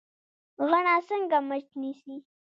غڼه څنګه مچ نیسي؟